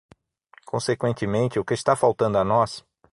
Consequentemente, o que está faltando a nós?